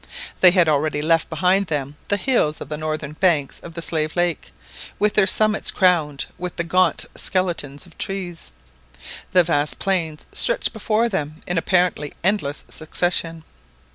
They had already left behind them the hills of the northern banks of the Slave Lake, with their summits crowned with the gaunt skeletons of trees. The vast plains stretched before them in apparently endless succession.